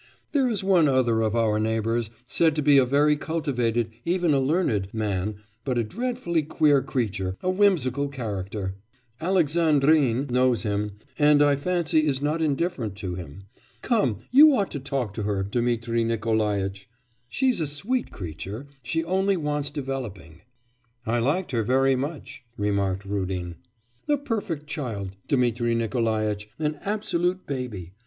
There is one other of our neighbours said to be a very cultivated, even a learned, man, but a dreadfully queer creature, a whimsical character. Alexandrine knows him, and I fancy is not indifferent to him.... Come, you ought to talk to her, Dmitri Nikolaitch; she's a sweet creature. She only wants developing.' 'I liked her very much,' remarked Rudin. 'A perfect child, Dmitri Nikolaitch, an absolute baby.